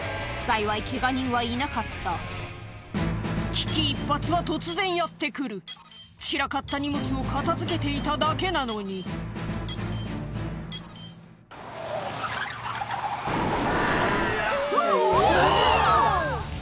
幸いケガ人はいなかった危機一髪は突然やって来る散らかった荷物を片付けていただけなのにうお！